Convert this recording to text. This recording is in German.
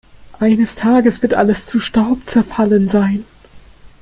Eines Tages wird alles zu Staub zerfallen sein.